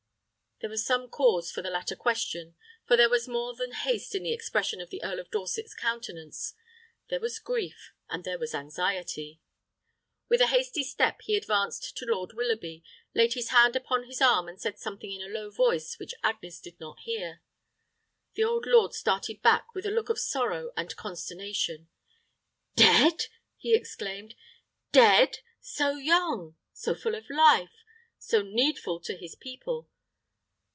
There was some cause for the latter question; for there was more than haste in the expression of the Earl of Dorset's countenance: there was grief, and there was anxiety. With a hasty step he advanced to Lord Willoughby, laid his hand upon his arm, and said something in a low voice which Agnes did not hear. The old lord started back with a look of sorrow and consternation. "Dead!" he exclaimed. "Dead! So young so full of life so needful to his people.